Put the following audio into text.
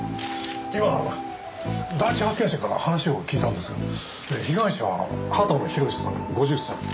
今第一発見者から話を聞いたんですが被害者は畑野宏さん５０歳。